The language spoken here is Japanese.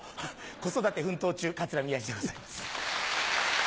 子育て奮闘中桂宮治でございます。